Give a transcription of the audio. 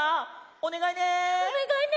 おねがいね！